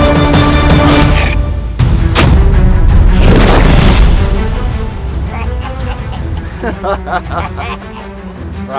aku akan lari